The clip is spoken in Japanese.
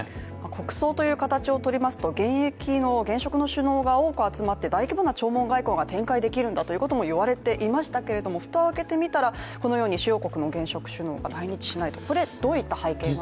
国葬という形を取りますと現役の、現職の首脳が多く集まって大規模な弔問外交が展開できるんだということも言われていましたけれども、蓋を開けてみたら、主要国の現職首脳が来日しないとこれ、どういった背景が？